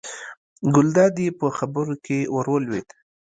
ګلداد یې په خبرو کې ور ولوېد.